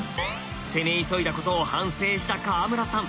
攻め急いだことを反省した川村さん。